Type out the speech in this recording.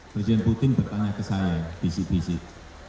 presiden putin bertanya ke saya bisik bisik